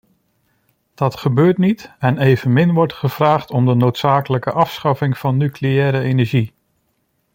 Dat gebeurt niet en evenmin wordt gevraagd om de noodzakelijke afschaffing van nucleaire energie.